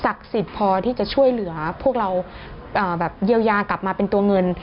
สิทธิ์พอที่จะช่วยเหลือพวกเราแบบเยียวยากลับมาเป็นตัวเงิน